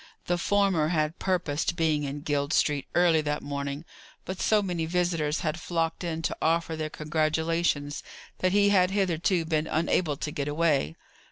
The former had purposed being in Guild Street early that morning; but so many visitors had flocked in to offer their congratulations that he had hitherto been unable to get away.